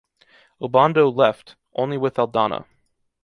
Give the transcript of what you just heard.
Obando left, only with Aldana.